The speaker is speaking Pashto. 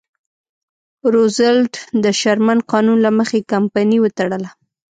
روزولټ د شرمن قانون له مخې کمپنۍ وتړله.